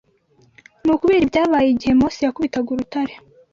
Ni ukubera ibyabaye igihe Mose yakubitaga urutare